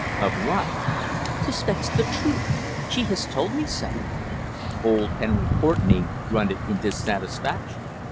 "Of what?" "Suspects the truth. She has told me so." Old Henry Courtenay grunted in dissatisfaction.